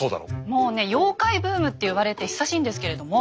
もうね「妖怪ブーム」って言われて久しいんですけれども。